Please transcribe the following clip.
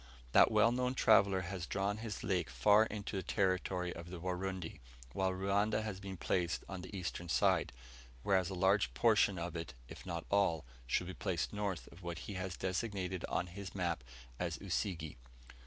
That well known traveller has drawn his lake far into the territory of the Warundi, while Ruanda has been placed on the eastern side; whereas a large portion of it, if not all, should be placed north of what he has designated on his map as Usige.